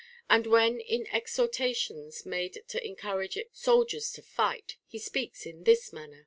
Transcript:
And when in exhortations made to encour age soldiers to fight, he speaks in this manner :—* II.